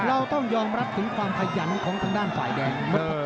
เราต้องยอมรับถึงความขยันของทางด้านฝ่ายแดง